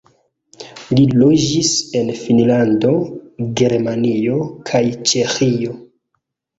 Li loĝis en Finnlando, Germanio kaj Ĉeĥio.